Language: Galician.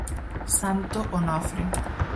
Santo Onofre.